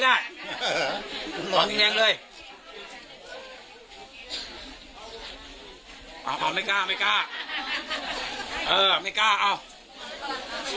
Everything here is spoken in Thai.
แล้ว